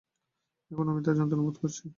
এখনও আমি তার যন্ত্রণা বোধ করছি।